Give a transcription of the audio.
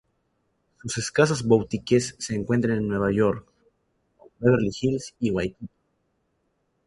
Sus escasas boutiques se encuentran en Nueva York, Boston, Beverly Hills y Waikiki.